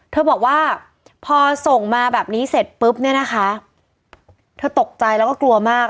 เธอบอกว่าพอส่งมาแบบนี้เสร็จปุ๊บเนี่ยนะคะเธอตกใจแล้วก็กลัวมาก